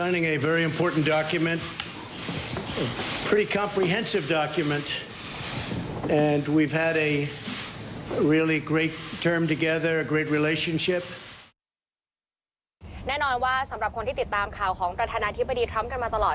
แน่นอนว่าสำหรับคนที่ติดตามข่าวของประธานาธิบดีทรัมป์กันมาตลอด